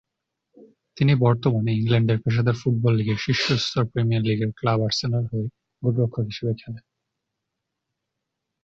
তিনি বর্তমানে ইংল্যান্ডের পেশাদার ফুটবল লীগের শীর্ষ স্তর প্রিমিয়ার লীগের ক্লাব আর্সেনালের হয়ে গোলরক্ষক হিসেবে খেলেন।